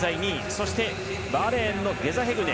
そしてバーレーンのゲザヘグネ。